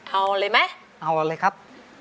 เอาเลยไหมเอาเลยครับ